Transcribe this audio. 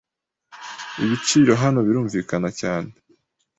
Ibiciro hano birumvikana cyane.